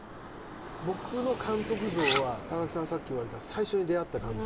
僕の監督像は貴明さんさっき言われた最初に出会った監督